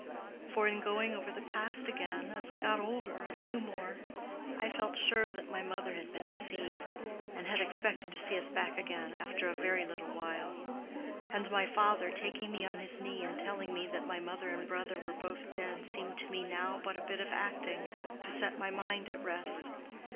For in going over the past again as I got older and knew more, I felt sure that my mother had been deceived, and had expected to see us back again after a very little while; and my father taking me on his knee and telling me that my mother and brother were both dead seemed to me now but a bit of acting, to set my mind at rest.